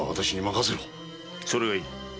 それがいい。